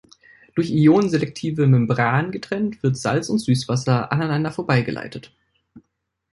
Durch Ionen-selektive Membranen getrennt wird Salz- und Süßwasser aneinander vorbei geleitet.